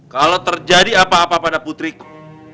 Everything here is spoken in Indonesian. kalau terjadi apa apa pada putriku